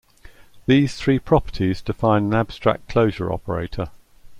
These three properties define an abstract closure operator.